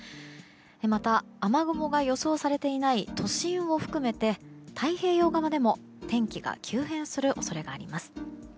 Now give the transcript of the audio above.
また、雨雲が予想されていない都心を含めて太平洋側でも天気が急変する恐れがあります。